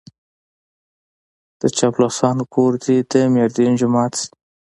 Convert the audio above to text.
د چاپلوسانو کور دې د ميردين جومات شي.